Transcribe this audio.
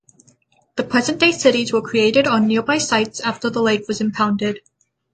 The present-day cities were created on nearby sites after the lake was impounded.